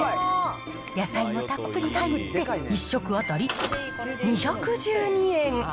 野菜もたっぷり入って、１食当たり２１２円。